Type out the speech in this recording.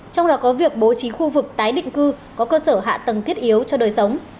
trong đó có việc bố trí khu vực tái định cư có cơ sở hạ tầng thiết yếu cho đời sống